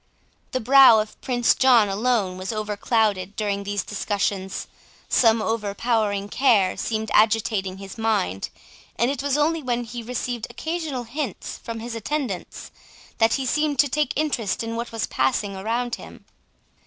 The brow of Prince John alone was overclouded during these discussions; some overpowering care seemed agitating his mind, and it was only when he received occasional hints from his attendants, that he seemed to take interest in what was passing around him.